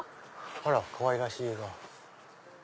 ほらかわいらしい絵が。